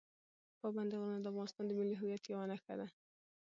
پابندي غرونه د افغانستان د ملي هویت یوه نښه ده.